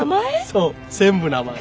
そう全部名前。